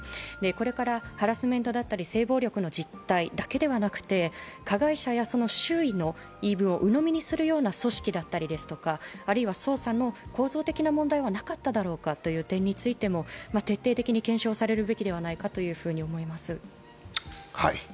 これからハラスメントや性暴力の実態だけではなくて、加害者やその周囲の言い分をうのみにするような組織だったり、あるいは捜査の構造的な問題はなかっただろうかという点も徹底的に検証されるべきではないかと思います。